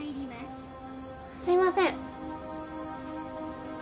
すいません。